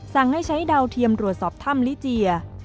สั่งให้ใช้ดาวเทียมรวดสอบถ้ำลิเจีย